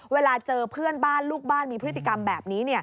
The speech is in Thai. เวลาเจอเพื่อนบ้านลูกบ้านมีพฤติกรรมแบบนี้